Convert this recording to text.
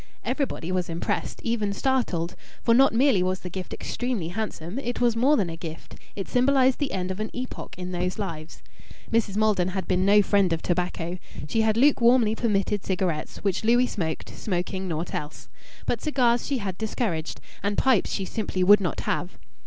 Everybody was impressed, even startled. For not merely was the gift extremely handsome it was more than a gift; it symbolized the end of an epoch in those lives. Mrs. Maldon had been no friend of tobacco. She had lukewarmly permitted cigarettes, which Louis smoked, smoking naught else. But cigars she had discouraged, and pipes she simply would not have!